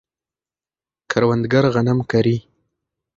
کروندګر غنم کري.